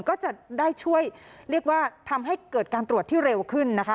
ก็จะได้ช่วยเรียกว่าทำให้เกิดการตรวจที่เร็วขึ้นนะคะ